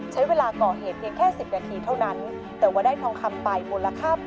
สวัสดีค่ะ